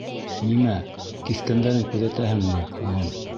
— Нимә, киҫкәндәрен күҙәтәһеңме, улым?